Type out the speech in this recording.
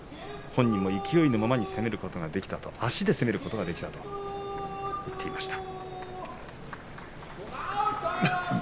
本人も勢いのままに攻めることができた足で攻めることができたという話をしていました。